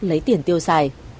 lấy tiền tiêu xài